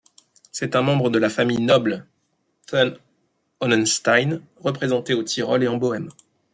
C'est un membre de la famille noble Thun-Hohenstein, représentée au Tirol et en Bohême.